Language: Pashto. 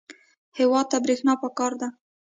هېواد ته برېښنا پکار ده